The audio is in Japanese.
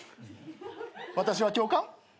私は教官？